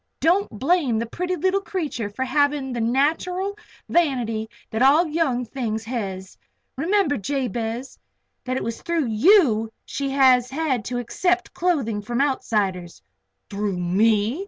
Don't blame the pretty leetle creetur for havin' the nateral vanity that all young things hez. Remember, Jabez, that it was through you that she has had to accept clothing from outsiders." "Through me?"